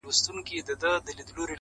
که څه هم له نژدي څخه مي نه دی لیدلی